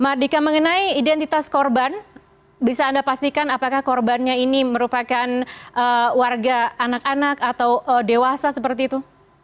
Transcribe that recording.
mardika mengenai identitas korban bisa anda pastikan apakah korbannya ini merupakan warga anak anak atau dewasa seperti itu